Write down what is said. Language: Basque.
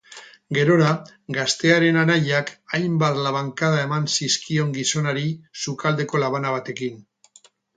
Gerora, gaztearen anaiak hainbat labankada eman zizkion gizonari sukaldeko labana batekin.